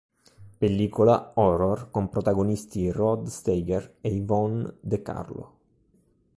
Pellicola horror con protagonisti Rod Steiger e Yvonne De Carlo.